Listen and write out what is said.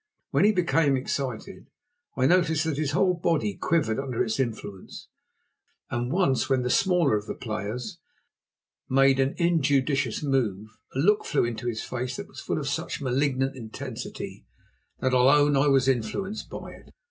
When he became excited I noticed that his whole body quivered under its influence, and once when the smaller of the players made an injudicious move a look flew into his face that was full of such malignant intensity that I'll own I was influenced by it.